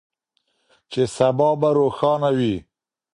چې سبا به روښانه وي.